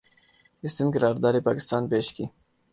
اس دن قرارداد پاکستان پیش کی